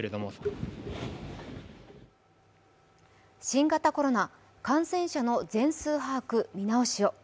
新型コロナ、感染者の全数把握見直しを。